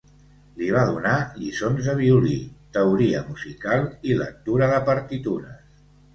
Li va donar lliçons de violí, teoria musical i lectura de partitures.